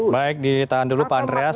baik ditahan dulu pak andreas